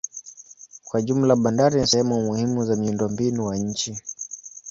Kwa jumla bandari ni sehemu muhimu za miundombinu wa nchi.